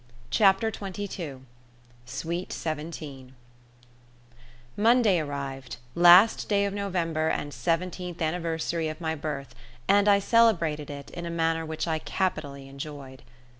CHAPTER TWENTY TWO SWEET SEVENTEEN Monday arrived last day of November and seventeenth anniversary of my birth and I celebrated it in a manner which I capitally enjoyed.